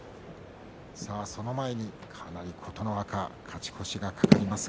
その前に琴ノ若勝ち越しが懸かります。